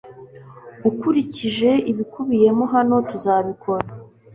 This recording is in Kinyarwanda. ukurikije ibiyikubiyemo. hano tuzabikora